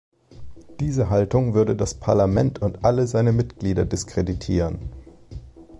Diese Haltung würde das Parlament und alle seine Mitglieder diskreditieren.